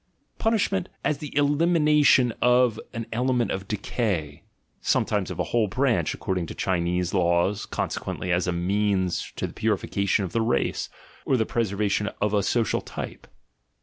— Punishment, as the elimination of an ele ment of decay (sometimes of a whole branch, as accord ing to the Chinese laws, consequently as a means to the purification of the race, or the preservation of a social type).